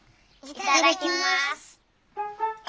いただきます！